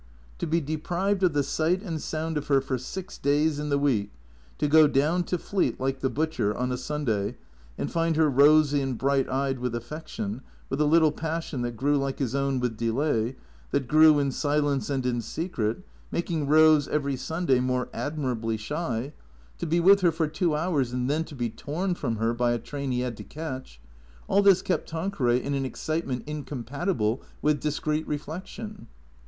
To be deprived of the sight and sound of her for six days in the week, to go down to Fleet, like the butcher, on a Sunday, and find her rosy and bright eyed with affection, with a little passion that grew like his own with delay, that grew in silence and in secret, making Eose, every Sunday, more admirably sliy; 55 56 THECEEATOES to be with her for two hours, and then to be torn from her by a train he had to catch; all this kept Tanqueray in an excitement incompatible with discreet reflection.